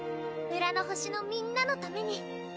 浦の星のみんなのために。